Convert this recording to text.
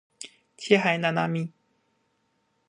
七海娜娜米